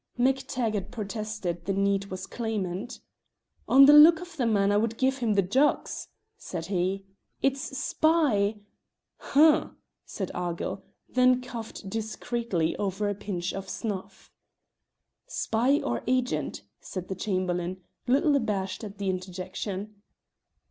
MacTaggart protested the need was clamant. "On the look of the man I would give him the jougs," said he. "It's spy " "H'm!" said Argyll, then coughed discreetly over a pinch of snuff. "Spy or agent," said the Chamberlain, little abashed at the interjection.